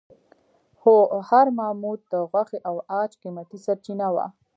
هر ماموت د غوښې او عاج قیمتي سرچینه وه.